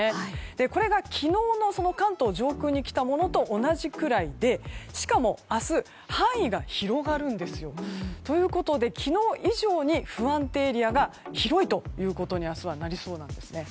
これが昨日の関東上空に来たものと同じくらいでしかも明日、範囲が広がるんですよ。ということで昨日以上に不安定エリアが広いということに明日はなりそうなんです。